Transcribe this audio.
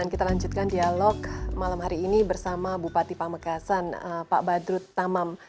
dan kita lanjutkan dialog malam hari ini bersama bupati pamekasan pak badrut tamam